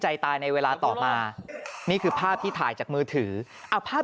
ใจตายในเวลาต่อมานี่คือภาพที่ถ่ายจากมือถือเอาภาพ